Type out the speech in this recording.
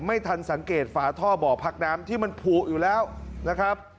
ไม่ทันสังเกตฝาท่อบ่อพักน้ำที่มันผูกอยู่แล้วนะครับ